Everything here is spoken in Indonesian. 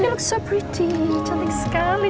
you look so pretty cantik sekali